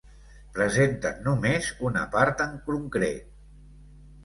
Presenten només una part en concret.